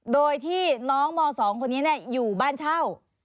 โดยที่น้องม๒คนนี้อยู่บ้านเช่า